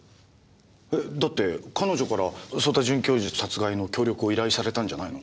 えっだって彼女から曽田准教授殺害の協力を依頼されたんじゃないの？